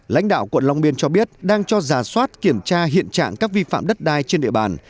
lãnh đạo quận long biên cho biết đang cho giả soát kiểm tra hiện trạng các vi phạm đất đai trên địa bàn